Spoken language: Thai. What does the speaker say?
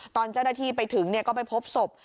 ตอนเจ้าหน้าที่ไปถึงก็ไปพบศพ